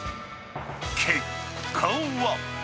結果は。